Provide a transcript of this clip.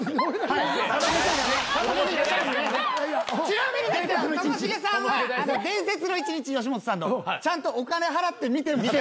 ちなみにですけどともしげさんは『伝説の一日』吉本さんの。ちゃんとお金払って見てます。